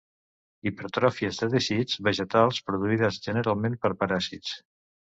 Hipertròfies de teixits vegetals produïdes generalment per paràsits.